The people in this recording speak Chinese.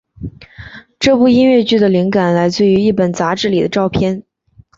这部音乐剧的灵感来自于一本杂志里的照片。